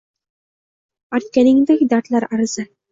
artganingday dardlar arisa